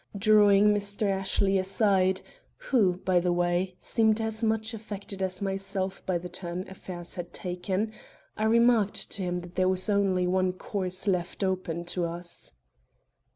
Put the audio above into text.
Drawing Mr. Ashley aside (who, by the way, seemed as much affected as myself by the turn affairs had taken) I remarked to him that there was only one course left open to us.